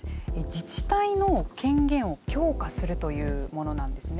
自治体の権限を強化するというものなんですね。